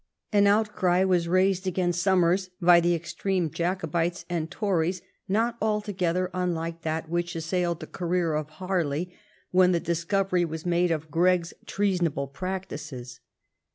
An outcry was raised against Somers by the ex treme Jacobites and Tories not altogether unlike that which assailed the career of Harley when the dis covery was made of Gregg's treasonable practices.